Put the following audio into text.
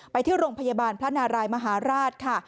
ไปที่โรงพยาบาลพระนารายมหาราชค่ะ